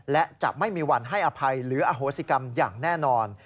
และจะไม่มีวันให้อภัยหรืออโหสิกรรมอย่างแน่นอน